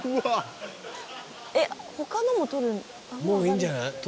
もういいんじゃない？